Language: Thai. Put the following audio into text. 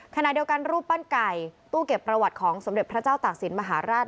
ขณะเดียวกันรูปปั้นไก่ตู้เก็บประวัติของสมเด็จพระเจ้าตากศิลปมหาราช